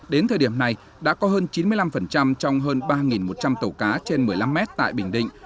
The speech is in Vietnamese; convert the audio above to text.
đến thời điểm này đã có hơn chín mươi năm trong hơn ba một trăm linh tàu cá trên một mươi năm mét tại bình định